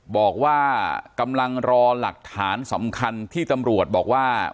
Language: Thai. บอกว่ากำลังรอหลักฐานสำคัญที่ตำรวจบอกว่า